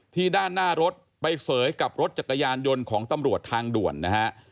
ด้านหน้ารถไปเสยกับรถจักรยานยนต์ของตำรวจทางด่วนนะฮะ